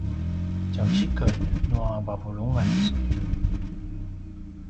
tjaucikel nua vavulungan